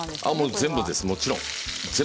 全部です、もちろん。